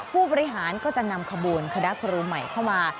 ผู้บริหารก็จะนำขบวนคณะครูใหม่เข้ามา